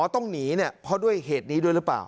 ต้องหนีเนี่ยเพราะด้วยเหตุนี้ด้วยหรือเปล่า